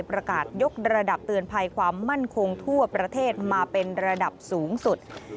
ประกาศยกระดับเตือนภัยความมั่นคงทั่วประเทศมาเป็นระดับสูงสุด